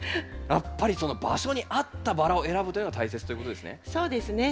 やっぱりその場所に合ったバラを選ぶというのが大切ということですね。